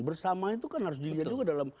bersama itu kan harus diilhamkan juga